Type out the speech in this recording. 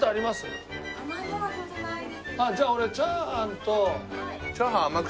じゃあ俺チャーハンと。